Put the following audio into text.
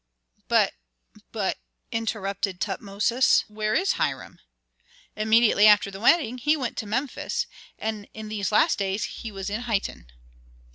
"But but " interrupted Tutmosis, "where is Hiram?" "Immediately after the wedding he went to Memphis, and in these last days he was in Hiten."